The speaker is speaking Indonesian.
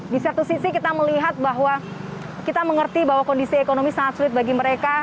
di satu sisi kita melihat bahwa kita mengerti bahwa kondisi ekonomi sangat sulit bagi mereka